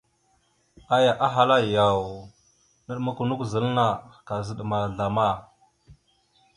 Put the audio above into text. Aya ahala: « Yaw, naɗmakw a nakw zal anna, kaazaɗ ma zlama? ».